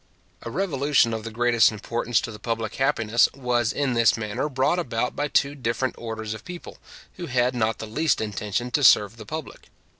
A revolution of the greatest importance to the public happiness, was in this manner brought about by two different orders of people, who had not the least intention to serve the public.